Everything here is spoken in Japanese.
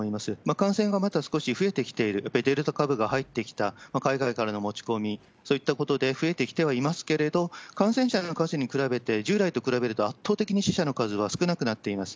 感染がまた少し増えてきている、やっぱりデルタ株が入ってきた、海外からの持ち込み、そういったことで増えてきてはいますけれど、感染者の数に比べて、従来と比べると圧倒的に死者の数は少なくなっています。